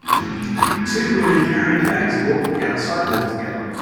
two women carrying bags are walking down a sidewalk together.